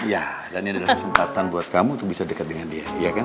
ya dan ini adalah kesempatan buat kamu untuk bisa dekat dengan dia kan